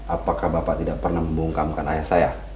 apakah bapak tidak pernah membungkamkan ayah saya